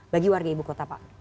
bagi warga ibu kota pak